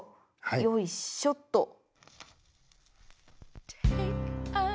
よいしょっと。